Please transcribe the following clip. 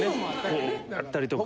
こうやったりとか。